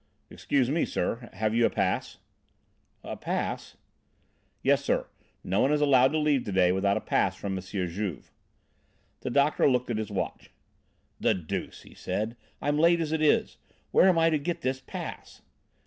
"Excuse me, sir. Have you a pass?" "A pass?" "Yes, sir; no one is allowed to leave to day without a pass from M. Juve." The doctor looked at his watch. "The deuce," he said. "I'm late as it is. Where am I to get this pass?"